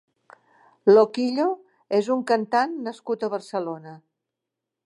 Loquillo és un cantant nascut a Barcelona.